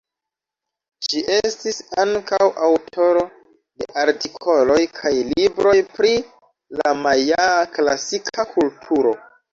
Ŝi estis ankaŭ aŭtoro de artikoloj kaj libroj pri la majaa klasika kulturo.